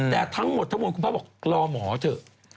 แต่ทั้งหมดทั้งมวลคุณพ่อบอกรอหมอเถอะ